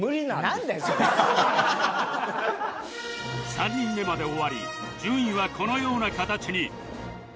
３人目まで終わり順位はこのような形に